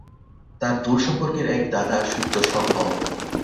তার দূরসম্পর্কের এক দাদাসুদ্ধ সভ্য হবেন।